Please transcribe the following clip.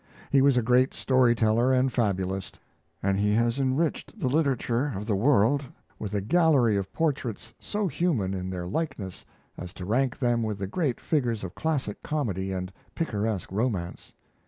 He was a great story teller and fabulist; and he has enriched the literature of the world with a gallery of portraits so human in their likenesses as to rank them with the great figures of classic comedy and picaresque romance.